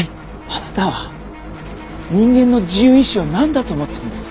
あなたは人間の自由意志を何だと思ってるんです？